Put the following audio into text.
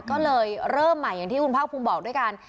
ก็เลยเริ่มใหม่อย่างที่คุณภาคภูมิบอกด้วยกัน